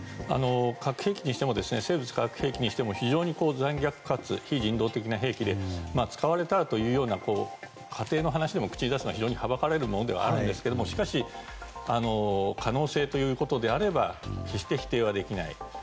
核兵器にしても生物・化学兵器にしても非常に残虐かつ非人道的な兵器で使われたらというような仮定の話でも口に出すのは非常にはばかられるものではあるんですけどしかし、可能性ということなら決して否定はできない。